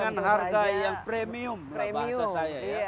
dengan harga yang premium lah bahasa saya